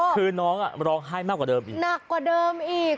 คือน้องร้องไห้หนักกว่าเดิมอีก